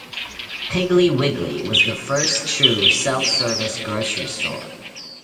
Piggly Wiggly was the first true self-service grocery store.